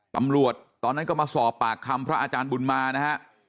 ตอนนั้นก็มาสอบปากคำพระอาจารย์บุญมานะฮะ